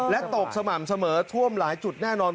และตกสม่ำเสมอท่วมหลายจุดแน่นอน